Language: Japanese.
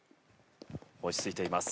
落ち着いています。